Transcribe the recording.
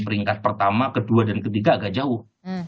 peringkat pertama kedua dan ketiga agak jauh